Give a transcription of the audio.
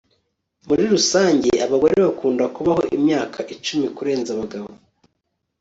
Muri rusange abagore bakunda kubaho imyaka icumi kurenza abagabo